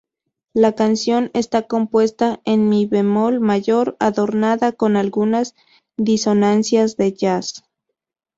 La canción está compuesta en Mi bemol mayor, adornada con algunas disonancias de jazz.